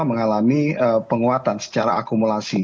mengalami penguatan secara akumulasi